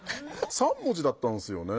３文字だったんすよね。